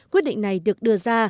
quyết định này được đưa ra